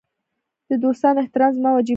د دوستانو احترام زما وجیبه ده.